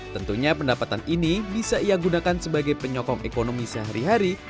tentunya pendapatan ini bisa ia gunakan sebagai penyokong ekonomi sehari hari